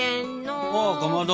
あかまど。